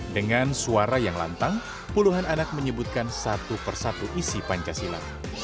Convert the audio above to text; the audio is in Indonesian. dengan suara yang lantang puluhan anak menyebutkan satu persatu isi pancasila